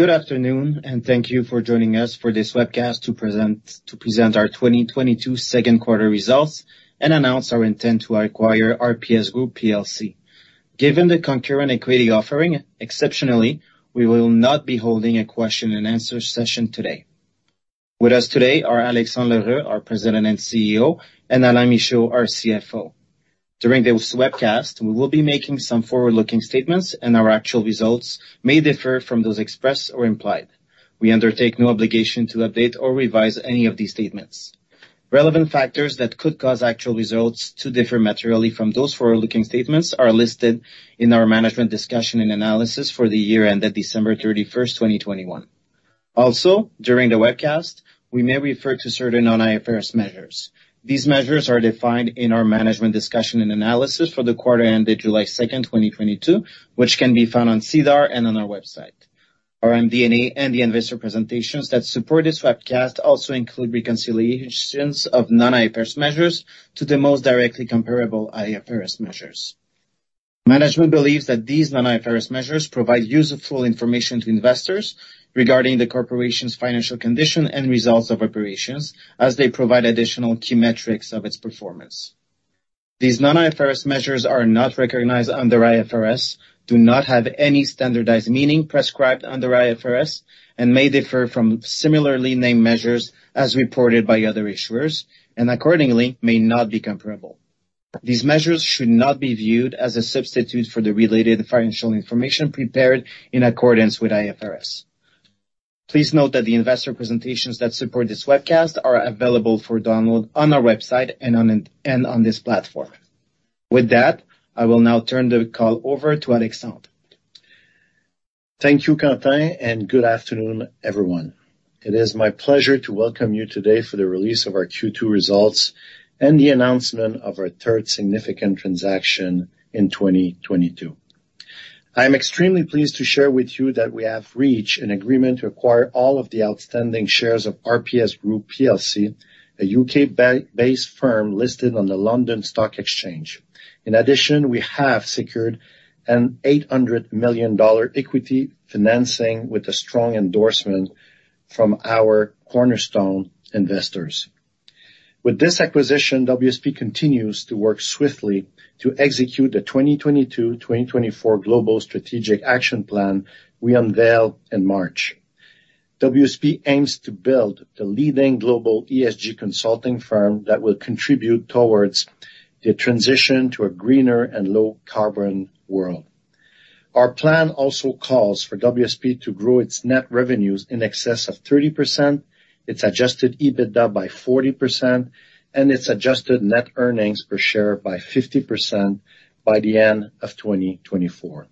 Good afternoon, and thank you for joining us for this webcast to present our 2022 second quarter results and announce our intent to acquire RPS Group plc. Given the concurrent equity offering, exceptionally, we will not be holding a question and answer session today. With us today are Alexandre L'Heureux, our President and CEO, and Alain Michaud, our CFO. During this webcast, we will be making some forward-looking statements and our actual results may differ from those expressed or implied. We undertake no obligation to update or revise any of these statements. Relevant factors that could cause actual results to differ materially from those forward-looking statements are listed in our Management Discussion and Analysis for the year ended December 31st, 2021. Also, during the webcast, we may refer to certain non-IFRS measures. These measures are defined in our management discussion and analysis for the quarter ended July 2, 2022, which can be found on SEDAR and on our website. Our MD&A and the investor presentations that support this webcast also include reconciliations of non-IFRS measures to the most directly comparable IFRS measures. Management believes that these non-IFRS measures provide useful information to investors regarding the corporation's financial condition and results of operations as they provide additional key metrics of its performance. These non-IFRS measures are not recognized under IFRS, do not have any standardized meaning prescribed under IFRS, and may differ from similarly named measures as reported by other issuers, and accordingly may not be comparable. These measures should not be viewed as a substitute for the related financial information prepared in accordance with IFRS. Please note that the investor presentations that support this webcast are available for download on our website and on this platform. With that, I will now turn the call over to Alexandre. Thank you, Quentin, and good afternoon, everyone. It is my pleasure to welcome you today for the release of our Q2 results and the announcement of our third significant transaction in 2022. I am extremely pleased to share with you that we have reached an agreement to acquire all of the outstanding shares of RPS Group plc, a UK-based firm listed on the London Stock Exchange. In addition, we have secured an $800 million equity financing with a strong endorsement from our cornerstone investors. With this acquisition, WSP continues to work swiftly to execute the 2022-2024 global strategic action plan we unveiled in March. WSP aims to build the leading global ESG consulting firm that will contribute towards the transition to a greener and low carbon world. Our plan also calls for WSP to grow its net revenues in excess of 30%, its adjusted EBITDA by 40%, and its adjusted net earnings per share by 50% by the end of 2024.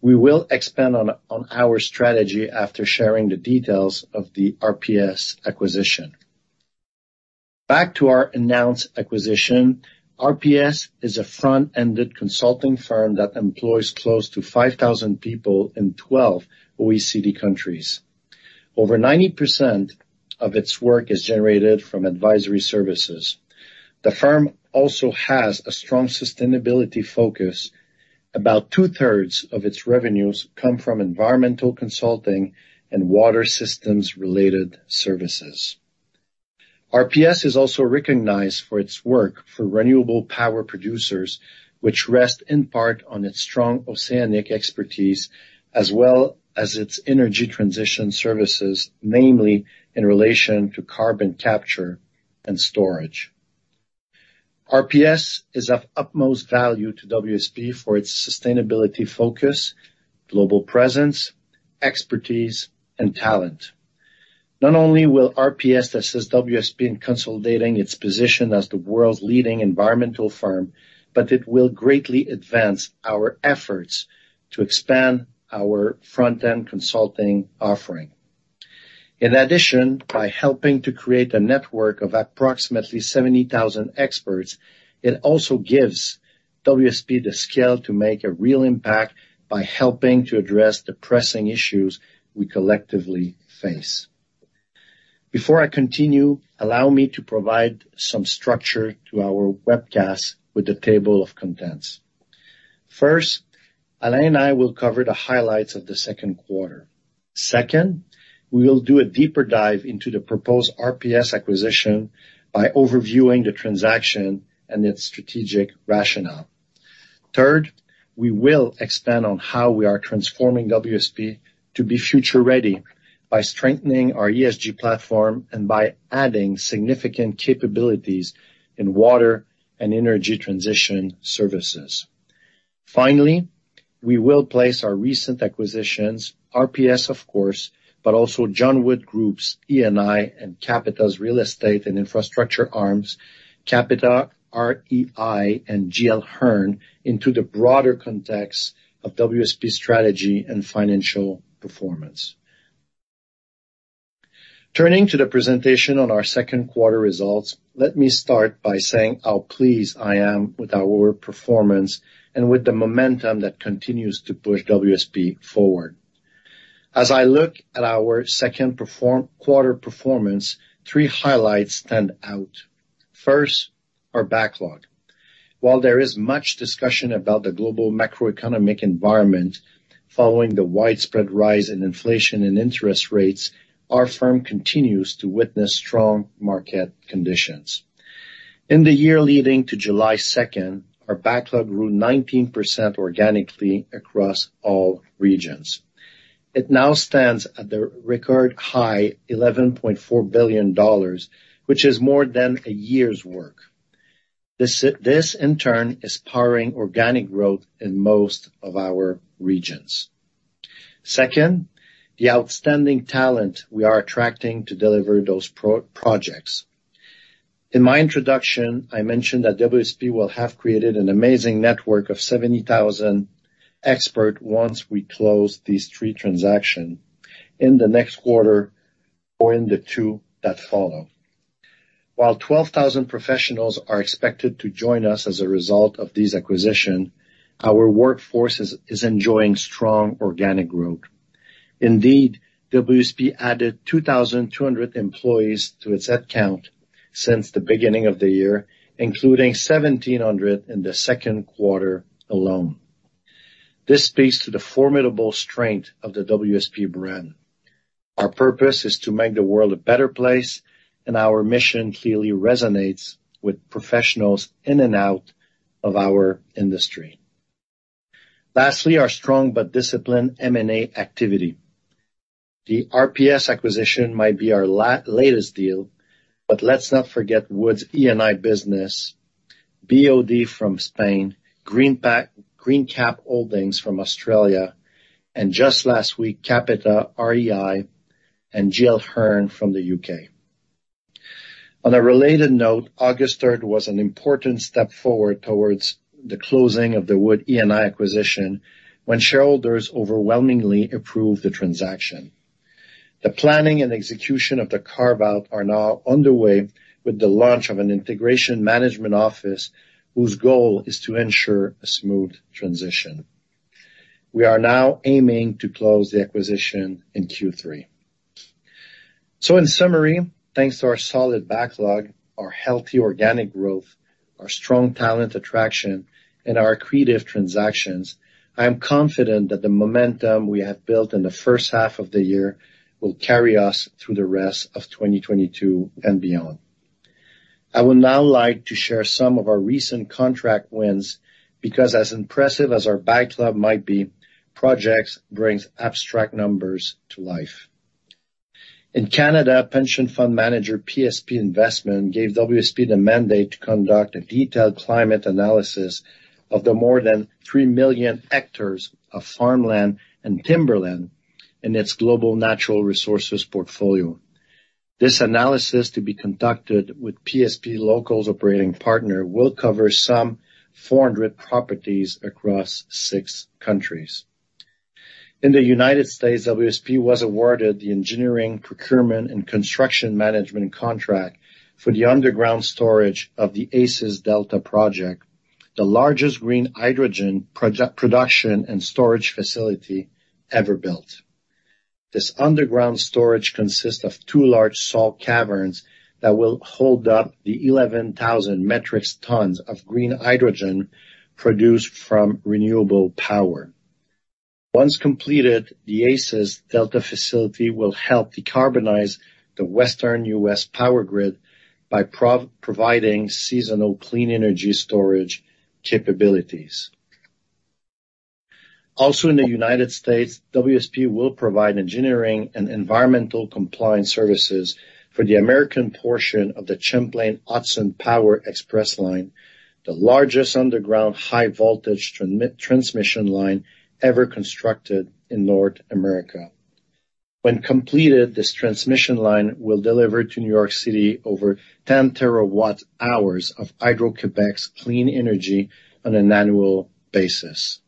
We will expand on our strategy after sharing the details of the RPS acquisition. Back to our announced acquisition. RPS is a front-end consulting firm that employs close to 5,000 people in 12 OECD countries. Over 90% of its work is generated from advisory services. The firm also has a strong sustainability focus. About 2/3 of its revenues come from environmental consulting and water systems-related services. RPS is also recognized for its work for renewable power producers, which rest in part on its strong oceanic expertise as well as its energy transition services, namely in relation to carbon capture and storage. RPS is of utmost value to WSP for its sustainability focus, global presence, expertise, and talent. Not only will RPS assist WSP in consolidating its position as the world's leading environmental firm, but it will greatly advance our efforts to expand our front-end consulting offering. In addition, by helping to create a network of approximately 70,000 experts, it also gives WSP the scale to make a real impact by helping to address the pressing issues we collectively face. Before I continue, allow me to provide some structure to our webcast with a table of contents. First, Alain and I will cover the highlights of the second quarter. Second, we will do a deeper dive into the proposed RPS acquisition by overviewing the transaction and its strategic rationale. Third, we will expand on how we are transforming WSP to be future-ready by strengthening our ESG platform and by adding significant capabilities in water and energy transition services. Finally, we will place our recent acquisitions, RPS, of course, but also John Wood Group's E&I and Capita's real estate and infrastructure arms, Capita REI, and GL Hearn, into the broader context of WSP's strategy and financial performance. Turning to the presentation on our second quarter results, let me start by saying how pleased I am with our performance and with the momentum that continues to push WSP forward. As I look at our second quarter performance, three highlights stand out. First, our backlog. While there is much discussion about the global macroeconomic environment following the widespread rise in inflation and interest rates, our firm continues to witness strong market conditions. In the year leading to July second, our backlog grew 19% organically across all regions. It now stands at a record high 11.4 billion dollars, which is more than a year's work. This in turn is powering organic growth in most of our regions. Second, the outstanding talent we are attracting to deliver those projects. In my introduction, I mentioned that WSP will have created an amazing network of 70,000 experts once we close these three transactions in the next quarter or in the two that follow. While 12,000 professionals are expected to join us as a result of these acquisitions, our workforce is enjoying strong organic growth. Indeed, WSP added 2,200 employees to its head count since the beginning of the year, including 1,700 in the second quarter alone. This speaks to the formidable strength of the WSP brand. Our purpose is to make the world a better place, and our mission clearly resonates with professionals in and out of our industry. Lastly, our strong but disciplined M&A activity. The RPS acquisition might be our latest deal, but let's not forget Wood's E&I business, BOD from Spain, Greencap Holdings from Australia, and just last week, Capita, REI, and GL Hearn from the UK. On a related note, August third was an important step forward towards the closing of the Wood E&I acquisition when shareholders overwhelmingly approved the transaction. The planning and execution of the carve-out are now underway with the launch of an Integration Management Office whose goal is to ensure a smooth transition. We are now aiming to close the acquisition in Q3. In summary, thanks to our solid backlog, our healthy organic growth, our strong talent attraction, and our accretive transactions, I am confident that the momentum we have built in the first half of the year will carry us through the rest of 2022 and beyond. I would now like to share some of our recent contract wins because as impressive as our backlog might be, project wins bring abstract numbers to life. In Canada, pension fund manager PSP Investments gave WSP the mandate to conduct a detailed climate analysis of the more than 3 million hectares of farmland and timberland in its global natural resources portfolio. This analysis, to be conducted with PSP's local operating partner, will cover some 400 properties across six countries. In the United States, WSP was awarded the engineering, procurement, and construction management contract for the underground storage of the ACES Delta project, the largest green hydrogen production and storage facility ever built. This underground storage consists of two large salt caverns that will hold up to 11,000 metric tons of green hydrogen produced from renewable power. Once completed, the ACES Delta facility will help decarbonize the Western U.S. power grid by providing seasonal clean energy storage capabilities. Also in the United States, WSP will provide engineering and environmental compliance services for the American portion of the Champlain Hudson Power Express line, the largest underground high-voltage transmission line ever constructed in North America. When completed, this transmission line will deliver to New York City over 10 terawatt hours of Hydro-Québec's clean energy on an annual basis.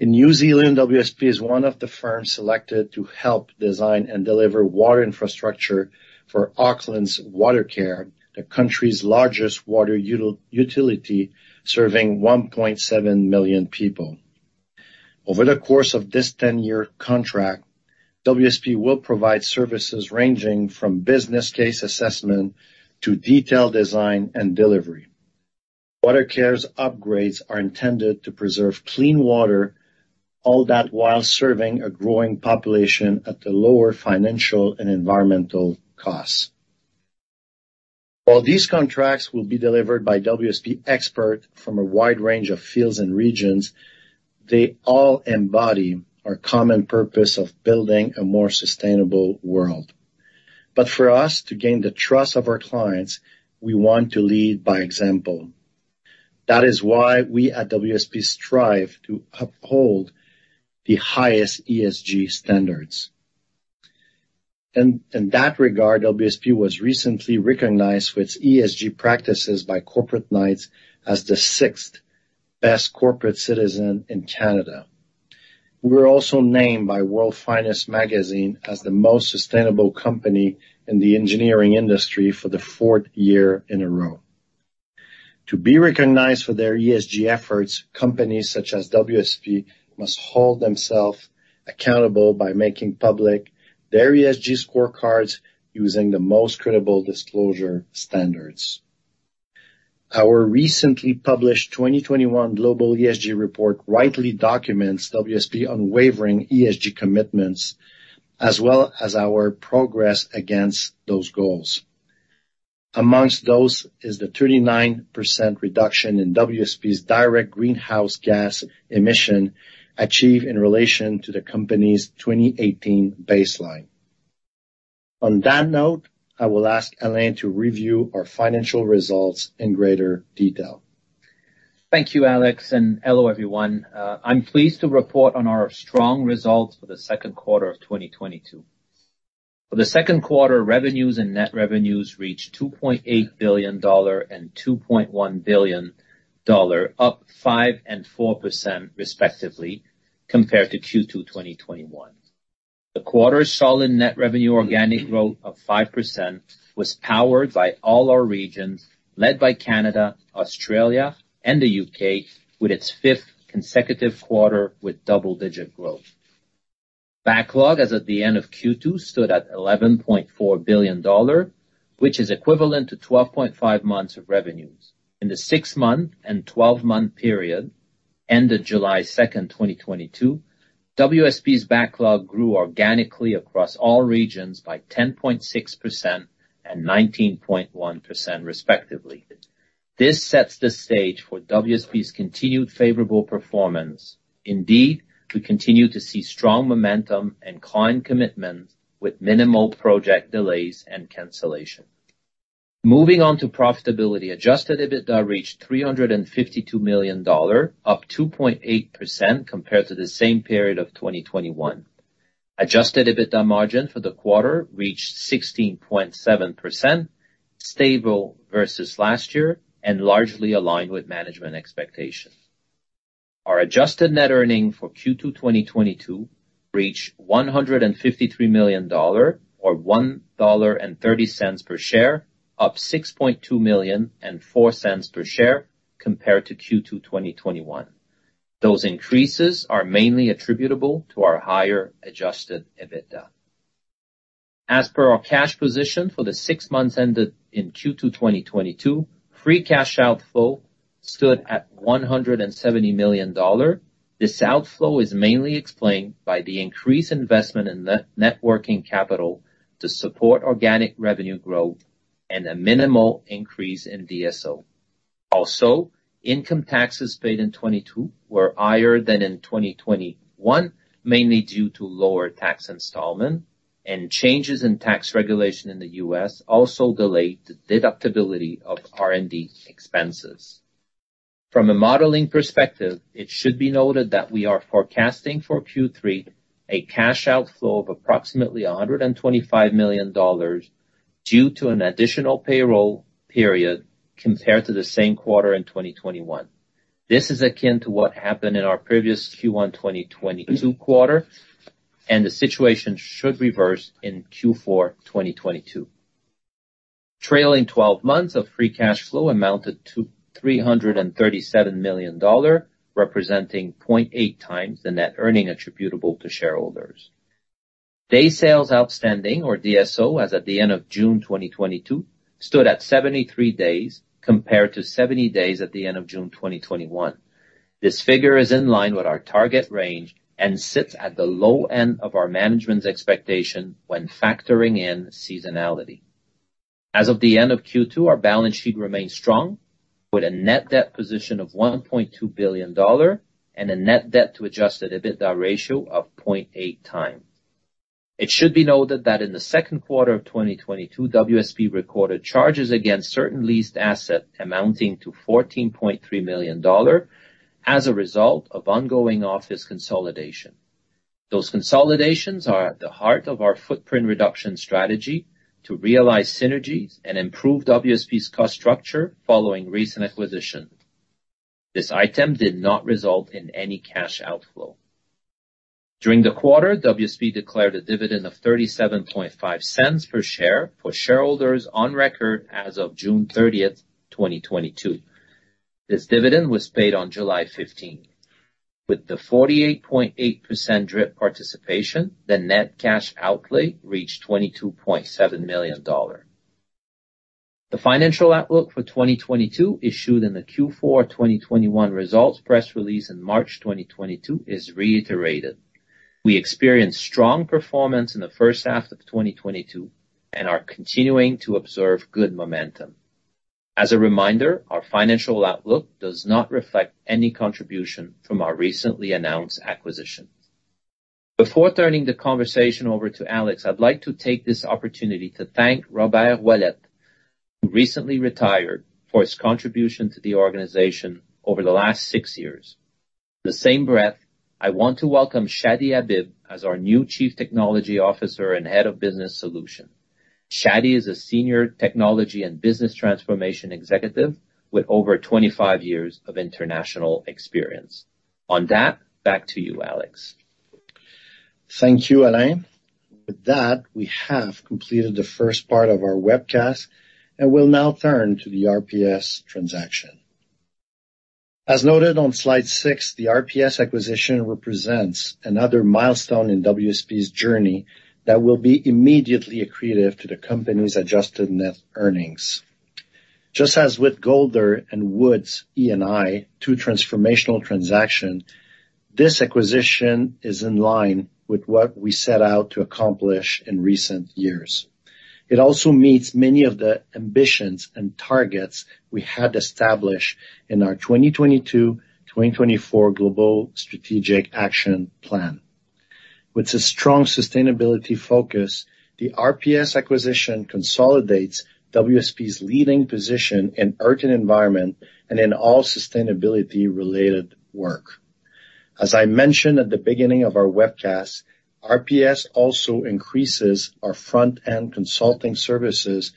In New Zealand, WSP is one of the firms selected to help design and deliver water infrastructure for Auckland's Watercare, the country's largest water utility, serving 1.7 million people. Over the course of this 10-year contract, WSP will provide services ranging from business case assessment to detailed design and delivery. Watercare's upgrades are intended to preserve clean water, all that while serving a growing population at the lower financial and environmental costs. While these contracts will be delivered by WSP experts from a wide range of fields and regions, they all embody our common purpose of building a more sustainable world. For us to gain the trust of our clients, we want to lead by example. That is why we at WSP strive to uphold the highest ESG standards. In that regard, WSP was recently recognized with ESG practices by Corporate Knights as the sixth best corporate citizen in Canada. We were also named by World Finance Magazine as the most sustainable company in the engineering industry for the fourth year in a row. To be recognized for their ESG efforts, companies such as WSP must hold themselves accountable by making public their ESG scorecards using the most credible disclosure standards. Our recently published 2021 global ESG report rightly documents WSP unwavering ESG commitments, as well as our progress against those goals. Among those is the 39% reduction in WSP's direct greenhouse gas emission achieved in relation to the company's 2018 baseline. On that note, I will ask Alain to review our financial results in greater detail. Thank you, Alex, and hello, everyone. I'm pleased to report on our strong results for the second quarter of 2022. For the second quarter, revenues and net revenues reached 2.8 billion dollar and 2.1 billion dollar, up 5% and 4% respectively compared to Q2 2021. The quarter's solid net revenue organic growth of 5% was powered by all our regions, led by Canada, Australia, and the UK, with its fifth consecutive quarter with double-digit growth. Backlog as at the end of Q2 stood at CAD 11.4 billion, which is equivalent to 12.5 months of revenues. In the six-month and twelve-month period ended July 2, 2022, WSP's backlog grew organically across all regions by 10.6% and 19.1%, respectively. This sets the stage for WSP's continued favorable performance. Indeed, we continue to see strong momentum and client commitment with minimal project delays and cancellation. Moving on to profitability. Adjusted EBITDA reached 352 million dollar, up 2.8% compared to the same period of 2021. Adjusted EBITDA margin for the quarter reached 16.7%, stable versus last year, and largely aligned with management expectations. Our adjusted net earnings for Q2 2022 reached CAD 153 million, or CAD 1.30 per share, up 6.2 million and 0.4 per share compared to Q2 2021. Those increases are mainly attributable to our higher adjusted EBITDA. As per our cash position for the six months ended in Q2 2022, free cash outflow stood at 170 million dollars. This outflow is mainly explained by the increased investment in net working capital to support organic revenue growth and a minimal increase in DSO. Income taxes paid in 2022 were higher than in 2021, mainly due to lower tax installments and changes in tax regulation in the U.S. also delayed the deductibility of R&D expenses. From a modeling perspective, it should be noted that we are forecasting for Q3 a cash outflow of approximately 125 million dollars due to an additional payroll period compared to the same quarter in 2021. This is akin to what happened in our previous Q1 2022 quarter, and the situation should reverse in Q4 2022. Trailing twelve months of free cash flow amounted to 337 million dollar, representing 0.8x the net earnings attributable to shareholders. Day Sales Outstanding, or DSO, as at the end of June 2022, stood at 73 days compared to 70 days at the end of June 2021. This figure is in line with our target range and sits at the low end of our management's expectation when factoring in seasonality. As of the end of Q2, our balance sheet remains strong with a net debt position of 1.2 billion dollar and a net debt to adjusted EBITDA ratio of 0.8x. It should be noted that in the second quarter of 2022, WSP recorded charges against certain leased assets amounting to 14.3 million dollar as a result of ongoing office consolidation. Those consolidations are at the heart of our footprint reduction strategy to realize synergies and improve WSP's cost structure following recent acquisition. This item did not result in any cash outflow. During the quarter, WSP declared a dividend of 0.375 per share for shareholders on record as of June 30, 2022. This dividend was paid on July 15th. With the 48.8% DRIP participation, the net cash outlay reached 22.7 million dollar. The financial outlook for 2022 issued in the Q4 2021 results press release in March 2022 is reiterated. We experienced strong performance in the first half of 2022 and are continuing to observe good momentum. As a reminder, our financial outlook does not reflect any contribution from our recently announced acquisitions. Before turning the conversation over to Alex, I'd like to take this opportunity to thank Robert Ouellette, who recently retired, for his contribution to the organization over the last six years. In the same breath, I want to welcome Chadi Habib as our new Chief Technology Officer and Head of Business Solutions. Chadi is a senior technology and business transformation executive with over 25 years of international experience. On that, back to you, Alex. Thank you, Alain. With that, we have completed the first part of our webcast and will now turn to the RPS transaction. As noted on slide six, the RPS acquisition represents another milestone in WSP's journey that will be immediately accretive to the company's adjusted net earnings. Just as with Golder and Wood's E&I, two transformational transactions, this acquisition is in line with what we set out to accomplish in recent years. It also meets many of the ambitions and targets we had established in our 2022, 2024 global strategic action plan. With a strong sustainability focus, the RPS acquisition consolidates WSP's leading position in Earth and Environment and in all sustainability-related work. As I mentioned at the beginning of our webcast, RPS also increases our front-end consulting services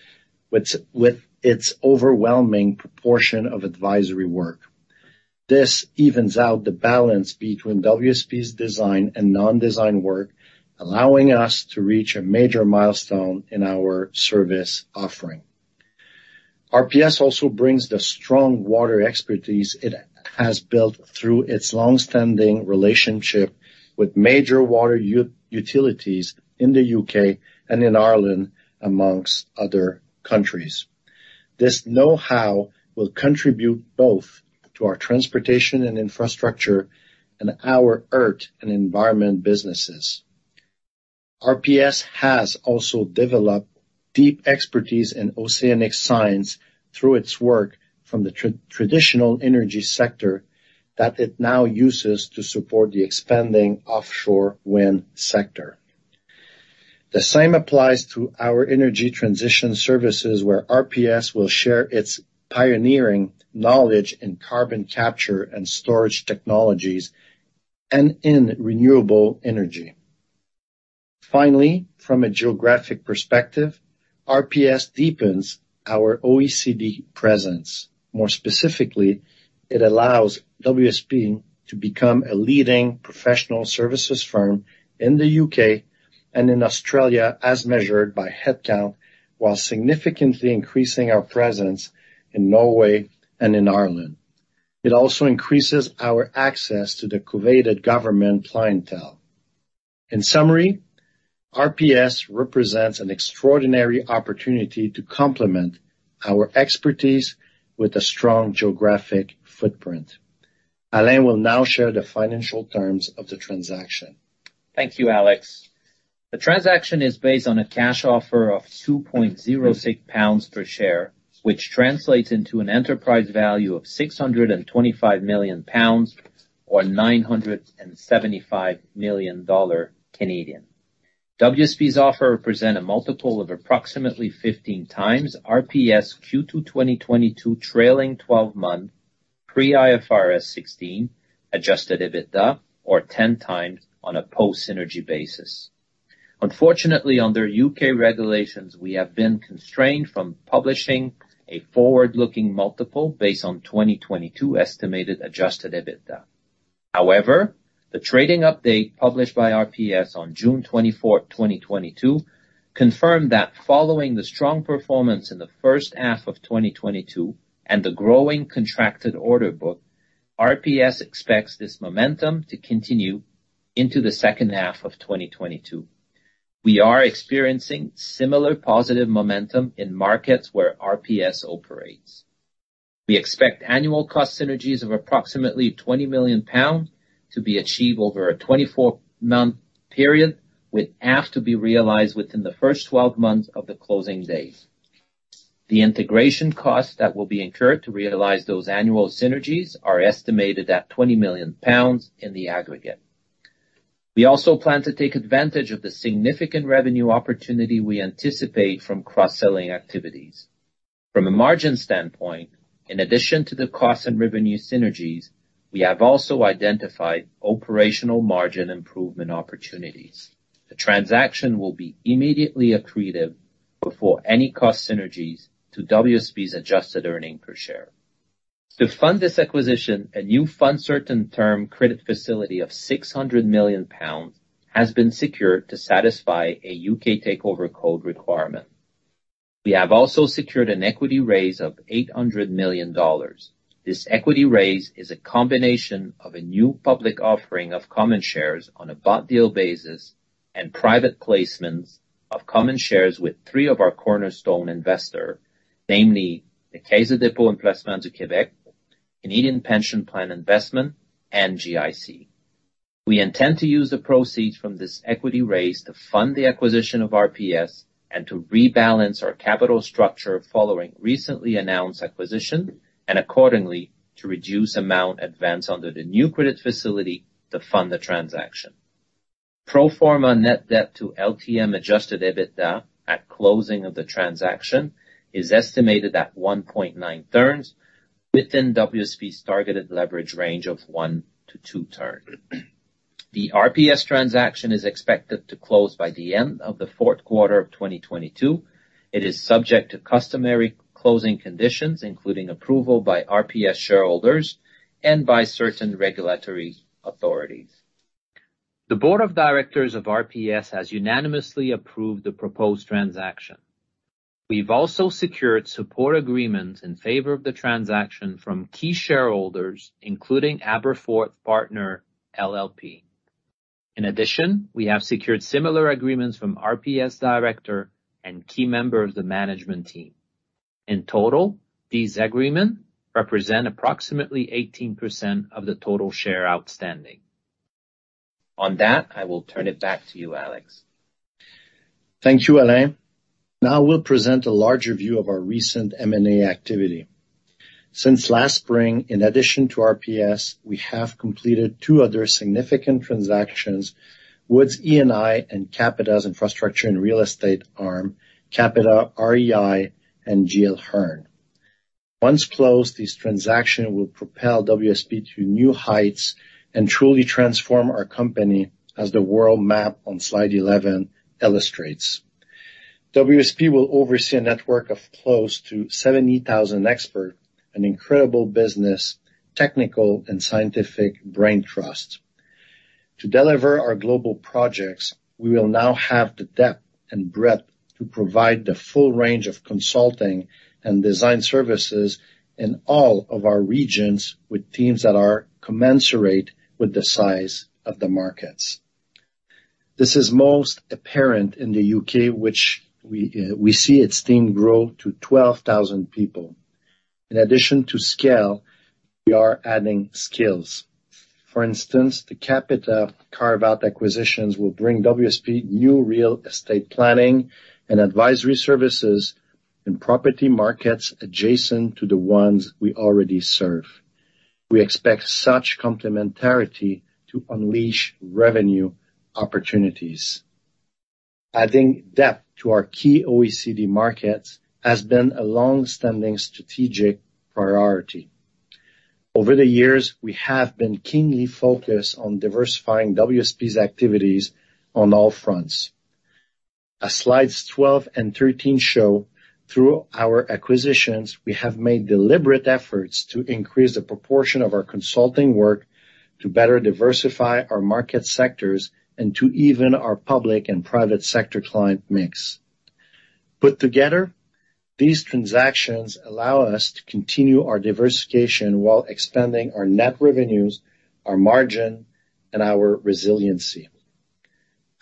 with its overwhelming proportion of advisory work. This evens out the balance between WSP's design and non-design work, allowing us to reach a major milestone in our service offering. RPS also brings the strong water expertise it has built through its long-standing relationship with major water utilities in the UK and in Ireland, among other countries. This know-how will contribute both to our Transportation and Infrastructure and our Earth and Environment businesses. RPS has also developed deep expertise in oceanic science through its work from the traditional energy sector that it now uses to support the expanding offshore wind sector. The same applies to our energy transition services, where RPS will share its pioneering knowledge in carbon capture and storage technologies and in renewable energy. Finally, from a geographic perspective, RPS deepens our OECD presence. More specifically, it allows WSP to become a leading professional services firm in the U.K. and in Australia as measured by headcount, while significantly increasing our presence in Norway and in Ireland. It also increases our access to the coveted government clientele. In summary, RPS represents an extraordinary opportunity to complement our expertise with a strong geographic footprint. Alain will now share the financial terms of the transaction. Thank you, Alex. The transaction is based on a cash offer of 2.06 pounds per share, which translates into an enterprise value of 625 million pounds or 975 million dollar. WSP's offer represent a multiple of approximately 15x RPS Q2 2022 trailing twelve-month pre-IFRS 16 adjusted EBITDA, or 10x on a post-synergy basis. Unfortunately, under U.K. regulations, we have been constrained from publishing a forward-looking multiple based on 2022 estimated adjusted EBITDA. However, the trading update published by RPS on June 24, 2022 confirmed that following the strong performance in the first half of 2022 and the growing contracted order book, RPS expects this momentum to continue into the second half of 2022. We are experiencing similar positive momentum in markets where RPS operates. We expect annual cost synergies of approximately 20 million pounds to be achieved over a 24-month period, with half to be realized within the first 12 months of the closing date. The integration costs that will be incurred to realize those annual synergies are estimated at 20 million pounds in the aggregate. We also plan to take advantage of the significant revenue opportunity we anticipate from cross-selling activities. From a margin standpoint, in addition to the cost and revenue synergies, we have also identified operational margin improvement opportunities. The transaction will be immediately accretive before any cost synergies to WSP's adjusted earnings per share. To fund this acquisition, a new GBP 600 million term credit facility has been secured to satisfy a City Code on Takeovers and Mergers requirement. We have also secured an equity raise of $800 million. This equity raise is a combination of a new public offering of common shares on a bought deal basis and private placements of common shares with three of our cornerstone investors, namely the Caisse de dépôt et placement du Québec, Canada Pension Plan Investment Board, and GIC. We intend to use the proceeds from this equity raise to fund the acquisition of RPS and to rebalance our capital structure following recently announced acquisition and, accordingly, to reduce amount advanced under the new credit facility to fund the transaction. Pro forma net debt to LTM adjusted EBITDA at closing of the transaction is estimated at 1.9 turns within WSP's targeted leverage range of 1-2 turns. The RPS transaction is expected to close by the end of the fourth quarter of 2022. It is subject to customary closing conditions, including approval by RPS shareholders and by certain regulatory authorities. The board of directors of RPS has unanimously approved the proposed transaction. We've also secured support agreements in favor of the transaction from key shareholders, including Aberforth Partners LLP. In addition, we have secured similar agreements from RPS director and key member of the management team. In total, these agreements represent approximately 18% of the total shares outstanding. On that, I will turn it back to you, Alex. Thank you, Alain. Now we'll present a larger view of our recent M&A activity. Since last spring, in addition to RPS, we have completed two other significant transactions with E&I and Capita's infrastructure and real estate arm, Capita REI and GL Hearn. Once closed, this transaction will propel WSP to new heights and truly transform our company as the world map on slide 11 illustrates. WSP will oversee a network of close to 70,000 experts, an incredible business, technical, and scientific brain trust. To deliver our global projects, we will now have the depth and breadth to provide the full range of consulting and design services in all of our regions with teams that are commensurate with the size of the markets. This is most apparent in the UK, which we see its team grow to 12,000 people. In addition to scale, we are adding skills. For instance, the Capita carve-out acquisitions will bring WSP new real estate planning and advisory services in property markets adjacent to the ones we already serve. We expect such complementarity to unleash revenue opportunities. Adding depth to our key OECD markets has been a long-standing strategic priority. Over the years, we have been keenly focused on diversifying WSP's activities on all fronts. As slides 12 and 13 show, through our acquisitions, we have made deliberate efforts to increase the proportion of our consulting work to better diversify our market sectors and to even our public and private sector client mix. Put together, these transactions allow us to continue our diversification while expanding our net revenues, our margin, and our resiliency.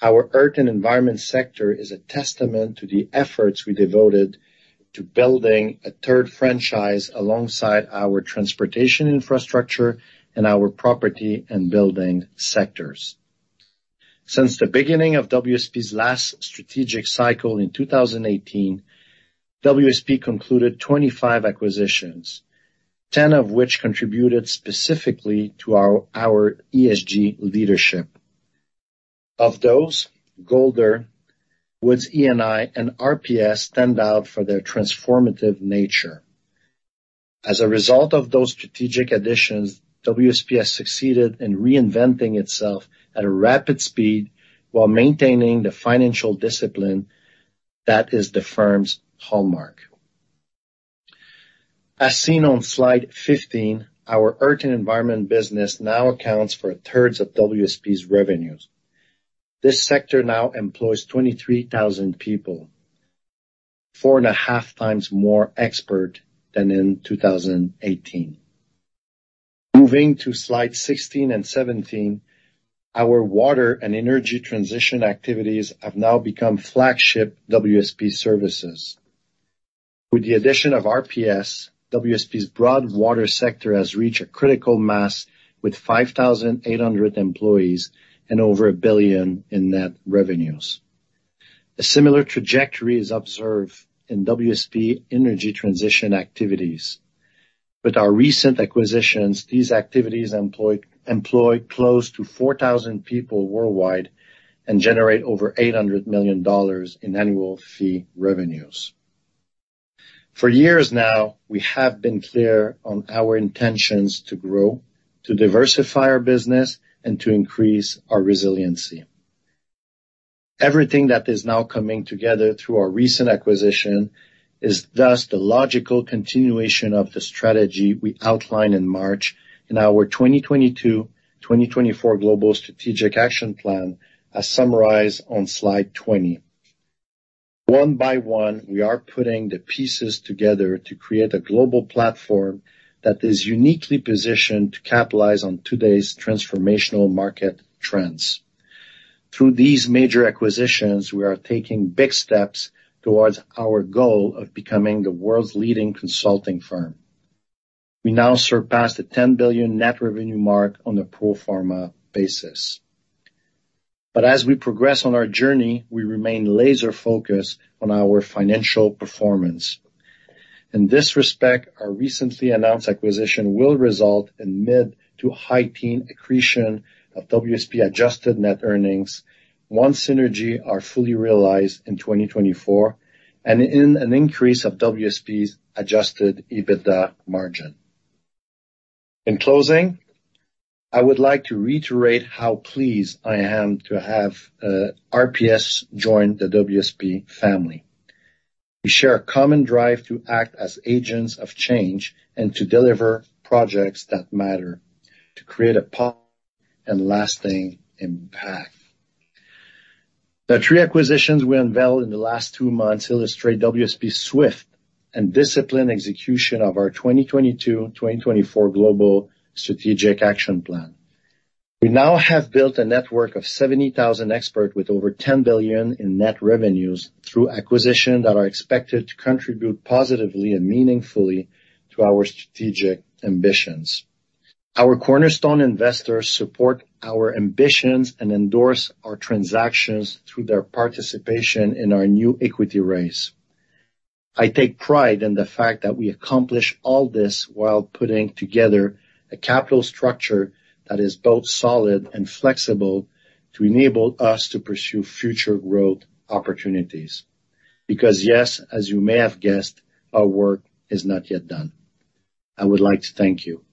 Our Earth and Environment sector is a testament to the efforts we devoted to building a third franchise alongside our Transportation Infrastructure and our Property and Buildings sectors. Since the beginning of WSP's last strategic cycle in 2018, WSP concluded 25 acquisitions, 10 of which contributed specifically to our ESG leadership. Of those, Golder, Wood's E&I and RPS stand out for their transformative nature. As a result of those strategic additions, WSP has succeeded in reinventing itself at a rapid speed while maintaining the financial discipline that is the firm's hallmark. As seen on slide 15, our Earth and Environment business now accounts for a third of WSP's revenues. This sector now employs 23,000 people, 4.5x more experts than in 2018. Moving to slides 16 and 17, our water and energy transition activities have now become flagship WSP services. With the addition of RPS, WSP's broad water sector has reached a critical mass with 5,800 employees and over 1 billion in net revenues. A similar trajectory is observed in WSP energy transition activities. With our recent acquisitions, these activities employ close to 4,000 people worldwide and generate over $800 million in annual fee revenues. For years now, we have been clear on our intentions to grow, to diversify our business, and to increase our resiliency. Everything that is now coming together through our recent acquisition is thus the logical continuation of the strategy we outlined in March in our 2022/2024 global strategic action plan, as summarized on slide 20. One by one, we are putting the pieces together to create a global platform that is uniquely positioned to capitalize on today's transformational market trends. Through these major acquisitions, we are taking big steps towards our goal of becoming the world's leading consulting firm. We now surpass the 10 billion net revenue mark on a pro forma basis. As we progress on our journey, we remain laser-focused on our financial performance. In this respect, our recently announced acquisition will result in mid- to high-teens accretion to WSP's adjusted net earnings once synergies are fully realized in 2024 and in an increase of WSP's adjusted EBITDA margin. In closing, I would like to reiterate how pleased I am to have RPS join the WSP family. We share a common drive to act as agents of change and to deliver projects that matter, to create a positive and lasting impact. The three acquisitions we unveiled in the last two months illustrate WSP's swift and disciplined execution of our 2022/2024 global strategic action plan. We now have built a network of 70,000 experts with over 10 billion in net revenues through acquisitions that are expected to contribute positively and meaningfully to our strategic ambitions. Our cornerstone investors support our ambitions and endorse our transactions through their participation in our new equity raise. I take pride in the fact that we accomplish all this while putting together a capital structure that is both solid and flexible to enable us to pursue future growth opportunities. Because, yes, as you may have guessed, our work is not yet done. I would like to thank you.